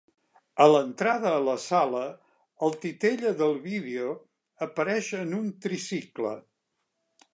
A l'entrada a la sala, el titella del vídeo apareix en un tricicle.